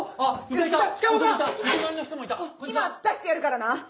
今出してやるからな！